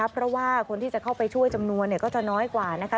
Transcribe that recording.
เพราะว่าคนที่จะเข้าไปช่วยจำนวนก็จะน้อยกว่านะคะ